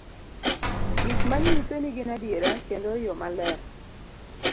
gik manyiso ni gin adiera kendo e yo maler